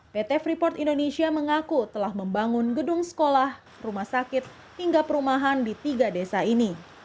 pt freeport indonesia mengaku telah membangun gedung sekolah rumah sakit hingga perumahan di tiga desa ini